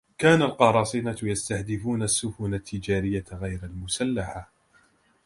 كان القراصنة يستهدفون السفن التجارية غير المسلحة.